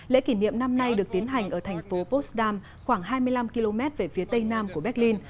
lễ kỷ niệm năm nay được tiến hành ở thành phố potsdam khoảng hai mươi năm km về phía tây nam của berlin